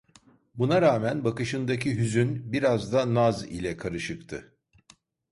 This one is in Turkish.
Buna rağmen bakışındaki hüzün biraz da naz ile karışıktı.